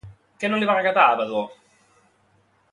Què no li va agradar a Vadó?